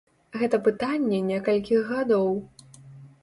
Гэта пытанне некалькіх гадоў.